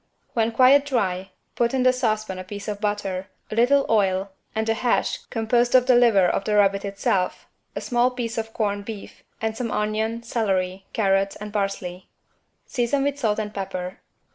When quite dry, put in the saucepan a piece of butter, a little oil, and a hash composed of the liver of the rabbit itself, a small piece of corned beef and some onion, celery, carrot and parsley. Season with salt and pepper.